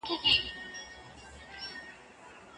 نورې ناروغۍ هم ورته نښې لري.